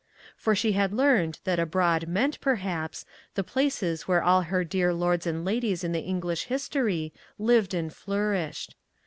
For she had learned that " abroad " meant, perhaps, the places where all her dear lords and ladies in the Eng lish history lived and flourished.